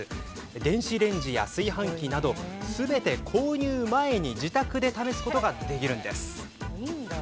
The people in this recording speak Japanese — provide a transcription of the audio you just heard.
電子レンジや炊飯器などすべて購入前に自宅で試すことができるんです。